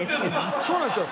そうなんですよ